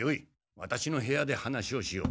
ワタシの部屋で話をしよう。